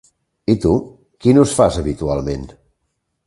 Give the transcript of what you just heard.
I tu, quin ús fas habitualment?